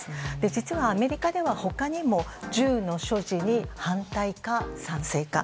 実はアメリカでは他にも銃の所持に反対か賛成か。